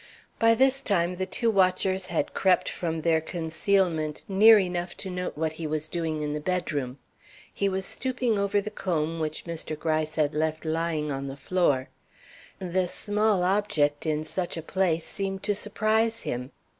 By this time the two watchers had crept from their concealment near enough to note what he was doing in the bedroom. He was stooping over the comb which Mr. Gryce had left lying on the floor. This small object in such a place seemed to surprise him.